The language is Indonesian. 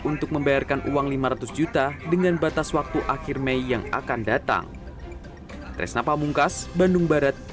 untuk membayarkan uang lima ratus juta dengan batas waktu akhir mei yang akan datang